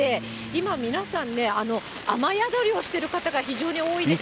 今、皆さんね、雨宿りをしている方が非常に多いです。